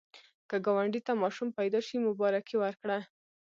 که ګاونډي ته ماشوم پیدا شي، مبارکي ورکړه